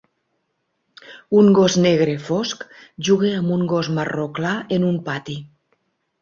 Un gos negre fosc juga amb un gos marró clar en un pati.